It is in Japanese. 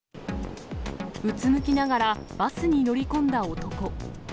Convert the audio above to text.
うつむきながら、バスに乗り込んだ男。